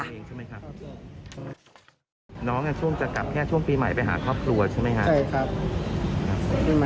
น้องช่วงจะกลับแค่ช่วงปีใหม่ไปหาครอบครัวใช่ไหมคะ